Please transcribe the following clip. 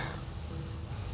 kamu tidak bisa melawan takdir